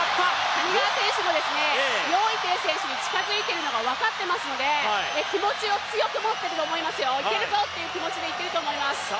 谷川選手も余依テイ選手に近づいているのが分かってますので気持ちを強く持っていると思いますよ。いけるぞ！って気持ちでいってると思います。